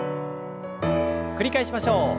繰り返しましょう。